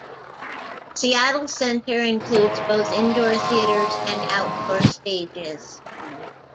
Seattle Center includes both indoor theaters and outdoor stages.